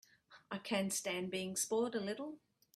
I can stand being spoiled a little.